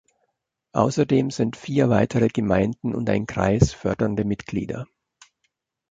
Außerdem sind vier weitere Gemeinden und ein Kreis fördernde Mitglieder.